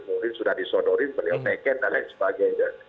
mungkin sudah disodorin beliau teket dan lain sebagainya